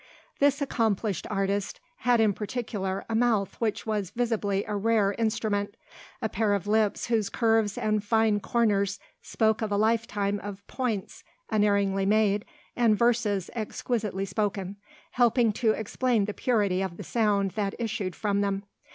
This accomplished artist had in particular a mouth which was visibly a rare instrument, a pair of lips whose curves and fine corners spoke of a lifetime of "points" unerringly made and verses exquisitely spoken, helping to explain the purity of the sound that issued from them.